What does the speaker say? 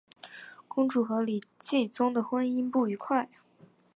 公主和李继崇的婚姻不愉快。